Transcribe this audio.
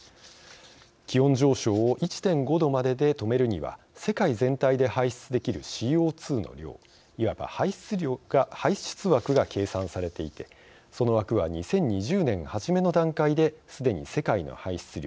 気温上昇を１．５℃までで止めるには世界全体で排出できるＣＯ２の量いわば排出枠が計算されていてその枠は２０２０年初めの段階ですでに世界の排出量